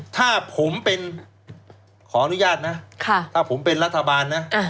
ถ้าผมเป็นขออนุญาตนะถ้าผมเป็นรัฐบาลนะ